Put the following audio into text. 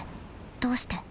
どうして？